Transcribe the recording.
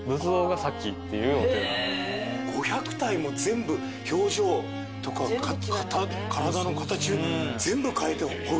５００体も全部表情とか体の形全部変えて彫るってことですもんね